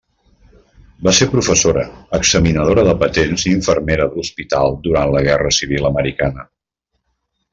Va ser professora, examinadora de patents i infermera d'hospital durant la Guerra civil americana.